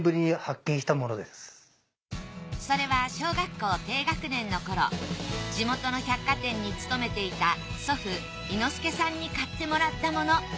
それは小学校低学年の頃地元の百貨店に勤めていた祖父伊之助さんに買ってもらったもの。